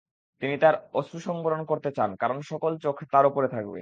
তিনি তার অশ্রুসংবরণ করতে চান কারণ সকল চোখ তার ওপরে থাকবে।